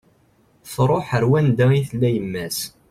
Truḥ ar wanda i tella yemma-s